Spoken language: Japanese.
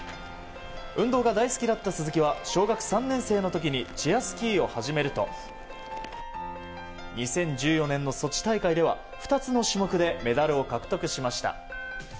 運動が大好きだった鈴木は小学３年生の時にチェアスキーを始めると２０１４年のソチ大会では２つの種目でメダルを獲得しました。